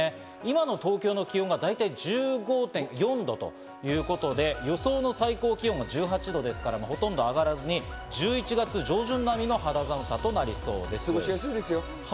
今の東京の気温が大体１５．４度ということで、予想の最高気温１８度ですから、ほとんど上がらずに１１月上旬並みの肌寒さとな過ごしやすいですよ。